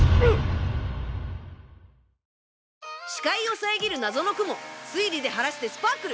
視界を遮る謎の雲推理で晴らしてスパークル！